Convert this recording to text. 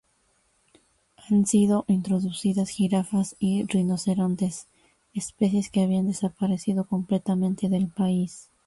Han sido introducidas jirafas y rinocerontes, especies que habían desaparecido completamente del país.